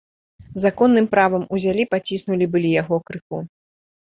Законным правам узялі паціснулі былі яго крыху.